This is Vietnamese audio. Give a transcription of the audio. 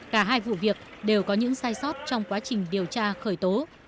cả hai vụ việc đều có những sai sót trong quá trình điều tra khởi tố